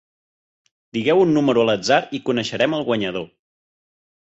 Digueu un número a l'atzar i coneixerem el guanyador.